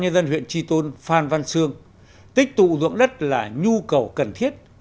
chủ tịch ubnd huyện chi tôn phan văn sương tích tụ dưỡng đất là nhu cầu cần thiết